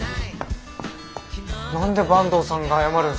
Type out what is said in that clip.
何で坂東さんが謝るんすか。